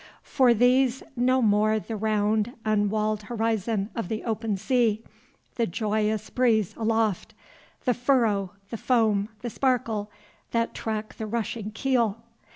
For these no more the round unwalled horizon of the open sea, the joyous breeze aloft, the furrow, the foam, the sparkle, that track the rushing keel!